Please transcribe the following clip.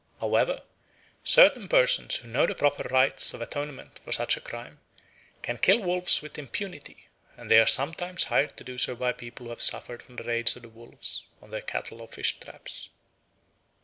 However, certain persons who know the proper rites of atonement for such a crime can kill wolves with impunity, and they are sometimes hired to do so by people who have suffered from the raids of the wolves on their cattle or fish traps.